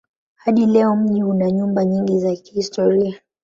Hadi leo mji una nyumba nyingi za kihistoria.